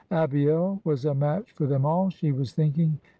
Abiel was a match for them all, she was thinking.